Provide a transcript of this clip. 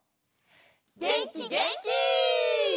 げんきげんき！